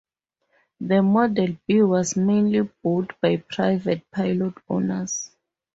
The Model B was mainly bought by private pilot owners.